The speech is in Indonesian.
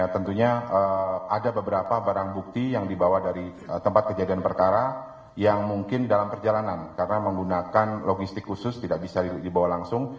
tentunya ada beberapa barang bukti yang dibawa dari tempat kejadian perkara yang mungkin dalam perjalanan karena menggunakan logistik khusus tidak bisa dibawa langsung